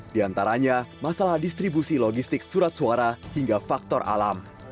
di antaranya masalah distribusi logistik surat suara hingga faktor alam